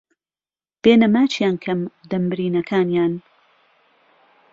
بێنه ماچیان کهم دەم برینهکانیان